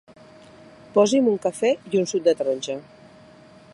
Posi'm un cafè i un suc de taronja.